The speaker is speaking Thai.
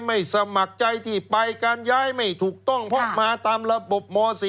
สมัครใจที่ไปการย้ายไม่ถูกต้องเพราะมาตามระบบม๔